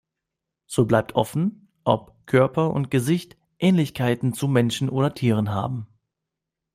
So bleibt offen, ob Körper und Gesicht Ähnlichkeiten zu Menschen oder Tieren haben.